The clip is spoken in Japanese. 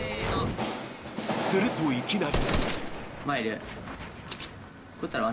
するといきなり。